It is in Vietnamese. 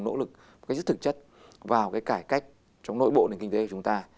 nỗ lực rất thực chất vào cái cải cách trong nội bộ nền kinh tế của chúng ta